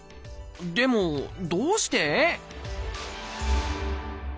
でもどうして？